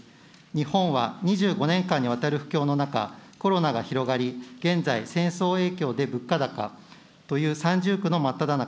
日本は２５年間にわたる不況の中、コロナが広がり、現在、戦争影響で物価高という３重苦の真っただ中。